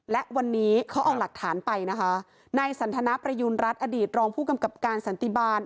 และวันนี้เขาเอาหลักฐานไปนะคะนายสันทนาประยุณรัฐอดีตรองผู้กำกับการสันติบาล